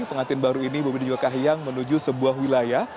pengantin baru ini bobi dan juga kahiyang menuju sebuah wilayah